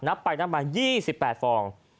นับไปนับมา๒๘ฟอง